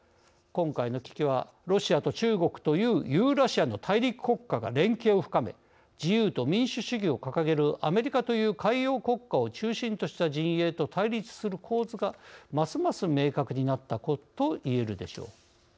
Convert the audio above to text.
今回の危機はロシアと中国というユーラシアの大陸国家が連携を深め自由と民主主義を掲げるアメリカという海洋国家を中心とした陣営と対立する構図がますます明確になったといえるでしょう。